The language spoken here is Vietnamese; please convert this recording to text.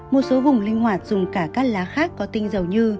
một số vùng linh hoạt dùng cả các lá khác có tinh dầu như